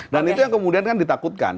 dan itu yang kemudian kan ditakutkan